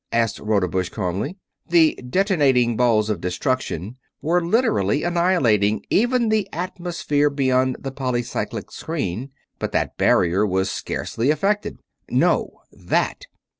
asked Rodebush, calmly. The detonating balls of destruction were literally annihilating even the atmosphere beyond the polycyclic screen, but that barrier was scarcely affected. "No. That."